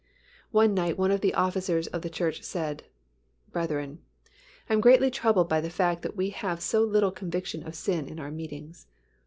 One night one of the officers of the church said, "Brethren, I am greatly troubled by the fact that we have so little conviction of sin in our meetings.